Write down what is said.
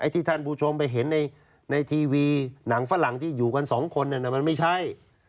ที่ท่านผู้ชมไปเห็นในทีวีหนังฝรั่งที่อยู่กันสองคนนั้นมันไม่ใช่